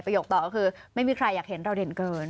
ต่อก็คือไม่มีใครอยากเห็นเราเด่นเกิน